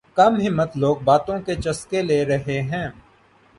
کم ہمت لوگ باتوں کے چسکے لے رہے ہیں